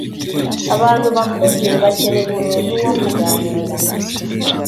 Abantu bakuze bakeneye umuntu wo kuganira